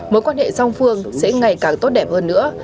mối quan hệ song phương sẽ ngày càng tốt đẹp hơn nữa